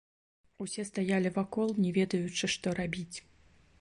Усе стаялі вакол, не ведаючы, што рабіць.